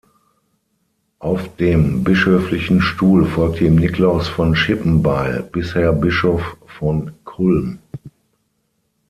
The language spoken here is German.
Auf dem bischöflichen Stuhl folgte ihm Nikolaus von Schippenbeil, bisher Bischof von Kulm.